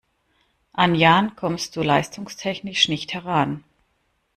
An Jan kommst du leistungstechnisch nicht heran.